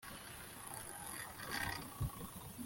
amafaranga mu ipfundo